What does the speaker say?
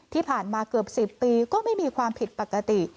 ที่ผ่านมาเกือบ๑๐ปีก็ไม่มีความผิดปกติ